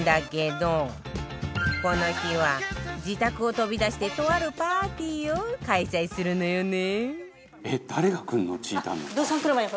この日は自宅を飛び出してとあるパーティーを開催するのよね